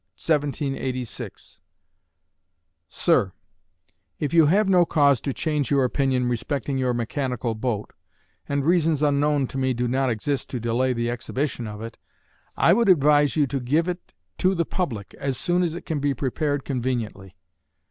1786 Sir: If you have no cause to change your opinion respecting your mechanical boat, and reasons unknown to me do not exist to delay the exhibition of it, I would advise you to give it to the public as soon as it can be prepared conveniently....